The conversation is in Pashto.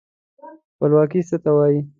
خپلواکي څه ته وايي.